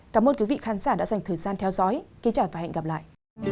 cảm ơn quý vị khán giả đã dành thời gian theo dõi kính chào và hẹn gặp lại